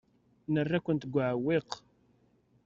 Nerra-kent deg uɛewwiq.